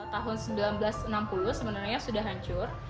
tahun seribu sembilan ratus enam puluh sebenarnya sudah hancur